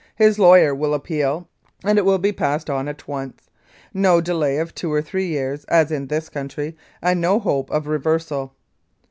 His lawyer will appeal and it will be passed on at once. No delay of two or three years, as in this country, and no hope of reversal.